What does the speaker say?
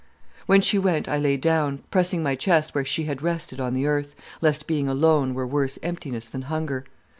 "When she went I lay down, pressing my chest where she had rested on the earth, lest being alone were worse emptiness than hunger.